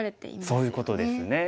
そういうことですよね。